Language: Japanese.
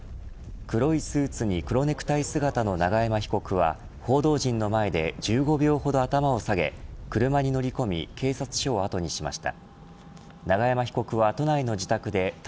黒いスーツに黒ネクタイ姿の永山被告は報道陣の前で１５秒ほど頭を下げ車に乗り込み警察署を後にしました。